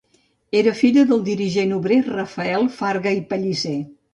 Era filla del dirigent obrer Rafael Farga i Pellicer.